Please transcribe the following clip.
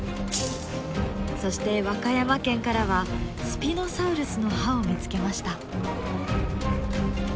そして和歌山県からはスピノサウルスの歯を見つけました。